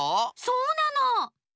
そうなの。